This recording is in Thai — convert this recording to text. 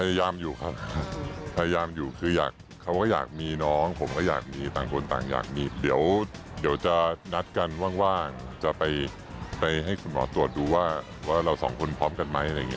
พยายามอยู่ครับพยายามอยู่คืออยากเขาก็อยากมีน้องผมก็อยากมีต่างคนต่างอยากมีเดี๋ยวจะนัดกันว่างจะไปให้คุณหมอตรวจดูว่าเราสองคนพร้อมกันไหมอะไรอย่างนี้